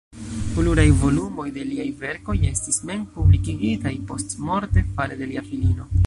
Pluraj volumoj de liaj verkoj estis mem-publikigitaj postmorte fare de lia filino.